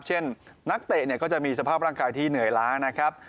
นักเตะก็จะมีสภาพร่างกายที่เหนื่อยล้านะครับ